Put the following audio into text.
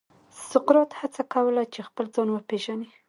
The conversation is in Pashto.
سقراط هڅه کوله چې خپل ځان وپېژني.